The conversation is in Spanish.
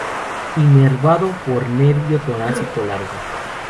Inervado por nervio torácico largo.